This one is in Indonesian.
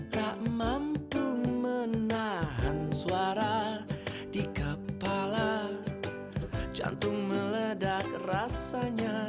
tak mampu menahan suara di kepala jantung meledak rasanya